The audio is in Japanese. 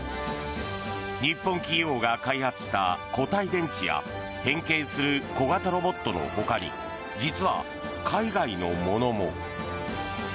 日本企業が開発した固体電池や変形する小型ロボットのほかに実は、海外のものも。